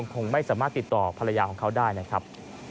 คงไม่สามารถติดต่อภรรยาของเขาได้นะครับ